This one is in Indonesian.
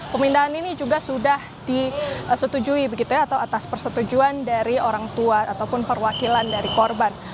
pemindahan ini juga sudah disetujui atau atas persetujuan dari orang tua ataupun perwakilan dari korban